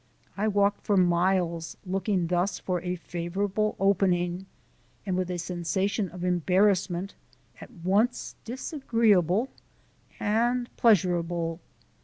I walked for miles looking thus for a favourable opening and with a sensation of embarrassment at once disagreeable and pleasurable.